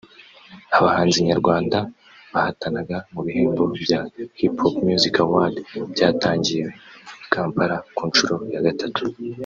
Abahanzi nyarwanda bahatanaga mu bihembo bya Hipipo Music Awards byatangiwe i Kampala ku nshuro ya gatatu